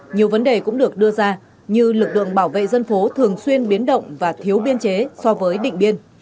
nhiều vấn đề cũng được đưa ra như lực lượng bảo vệ dân phố thường xuyên biến động và thiếu biên chế so với định biên